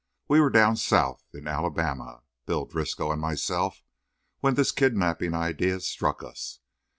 We were down South, in Alabama—Bill Driscoll and myself—when this kidnapping idea struck us.